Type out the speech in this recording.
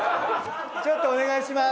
ちょっとお願いします。